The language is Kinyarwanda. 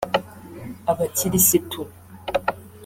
Abakirisitu